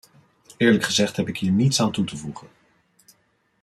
Eerlijk gezegd heb ik hier niets aan toe te voegen.